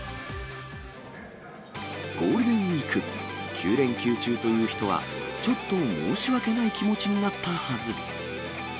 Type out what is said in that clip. ゴールデンウィーク９連休中という人は、ちょっと申し訳ない気持ちになったはず。